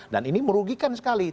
dan ini merugikan sekali